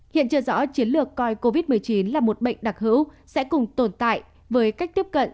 hiện chưa rõ chiến lược coi covid một mươi chín là một bệnh đặc hữu sẽ cùng tồn tại với cách tiếp cận